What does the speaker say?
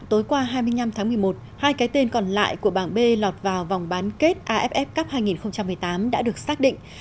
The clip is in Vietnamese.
tối qua hai mươi năm tháng một mươi một hai cái tên còn lại của bảng b lọt vào vòng bán kết aff cup hai nghìn một mươi tám đã được xác định